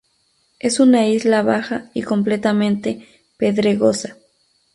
Es una isla baja y completamente pedregosa.